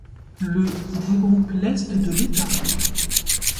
Le regroupe l'est de l'État.